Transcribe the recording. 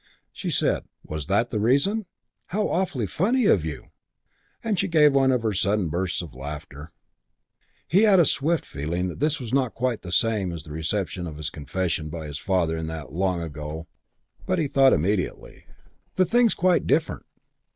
She said, "Was that the reason? How awfully funny of you!" and she gave one of her sudden bursts of laughter. He had a swift feeling that this was not quite the same as the reception of his confession by his father in that long ago; but he thought immediately, "The thing's quite different."